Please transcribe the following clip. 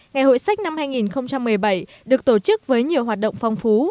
ngày hội sách năm hai nghìn một mươi bảy được tổ chức với nhiều hoạt động phong phú